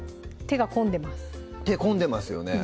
手込んでますよね